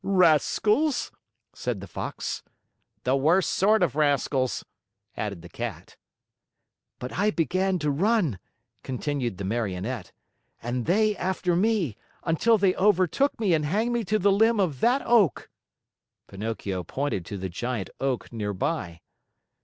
"Rascals!" said the Fox. "The worst sort of rascals!" added the Cat. "But I began to run," continued the Marionette, "and they after me, until they overtook me and hanged me to the limb of that oak." Pinocchio pointed to the giant oak near by.